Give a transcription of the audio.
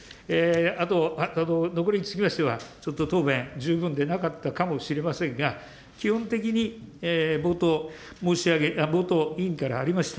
あと残りにつきましては、ちょっと答弁、十分でなかったかもしれませんが、基本的に冒頭、委員からありました